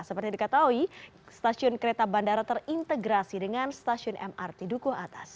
seperti diketahui stasiun kereta bandara terintegrasi dengan stasiun mrt dukuh atas